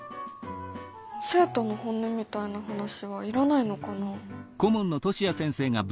生徒の本音みたいな話はいらないのかな？